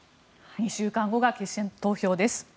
２週間後が決選投票です。